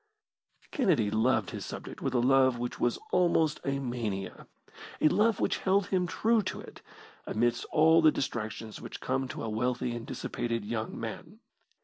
Kennedy loved his subject with a love which was almost a mania a love which held him true to it, amidst all the distractions which come to a wealthy and dissipated young man.